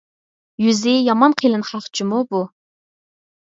يۈزى يامان قېلىن خەق جۇمۇ بۇ!